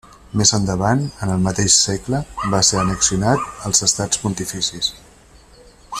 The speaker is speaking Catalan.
Més endavant, en el mateix segle, va ser annexionat als Estats pontificis.